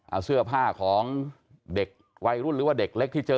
เอาเสื้อผ้าของเด็กวัยรุ่นหรือว่าเด็กเล็กที่เจอ